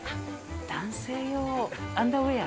男性用アンダーウエア。